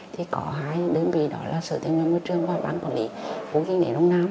thì có hai đơn vị đó là sở tây nguyên môi trường và ban quản lý khu kinh tế đông nam